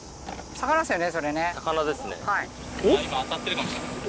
魚ですね。